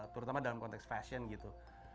terutama dalam konteks fashion gitu